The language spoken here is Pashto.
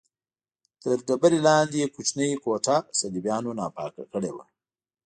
تر ډبرې لاندې کوچنۍ کوټه صلیبیانو ناپاکه کړې وه.